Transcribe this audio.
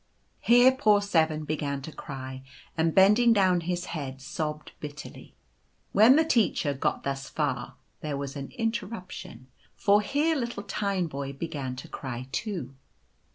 Here poor 7 began to cry, and bending down his head sobbed bitterly/' When the Teacher got thus far there was an inter ruption, for here little Tineboy began to cry too.